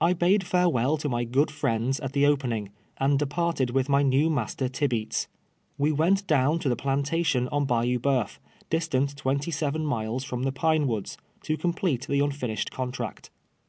I bade tarewe'll to my ::;(>od friends at the opening, and departed with my neM' master Tibeats. AVe went down to the i>lantation on Bayou Boeuf, distant twenty seven miles from the Pine AVoods, to complete the nntinished contract.